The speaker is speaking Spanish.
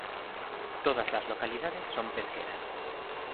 Todas las localidades son pesqueras.